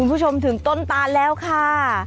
คุณผู้ชมถึงต้นตานแล้วค่ะ